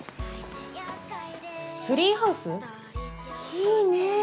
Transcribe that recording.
いいねぇ！